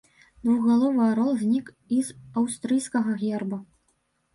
Двухгаловы арол знік і з аўстрыйскага герба.